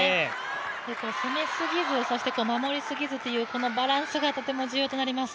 攻めすぎず、守りすぎずというこのバランスがとても重要となります。